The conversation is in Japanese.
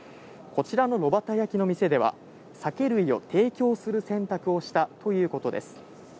こちらの炉端焼きの店では、酒類を提供する選択をしたということです。